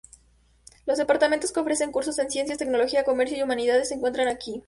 Los departamentos que ofrecen cursos en ciencias, tecnología, comercio y humanidades se encuentran aquí.